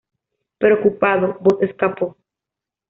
Preocupado, Vos escapó.